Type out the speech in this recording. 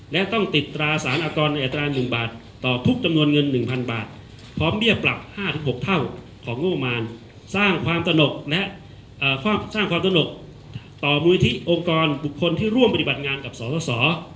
และต้องติดตราสารอากรในอัตรา๑บาทต่อทุกจำนวนเงิน๑๐๐๐บาทพร้อมเบี้ยปรับ๕๖เท่าของงบมารสร้างความตลกและสร้างความตลกต่อมูลิธิองค์กรบุคคลที่ร่วมปฏิบัติงานกับสส